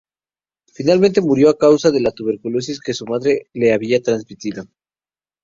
Finalmente murió a causa de la tuberculosis, que su madre le había transmitido.